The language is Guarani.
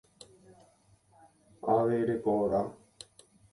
Ava rekorã.